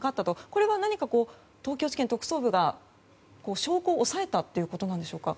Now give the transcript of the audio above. これは何か東京地検特捜部が証拠を押さえたということでしょうか。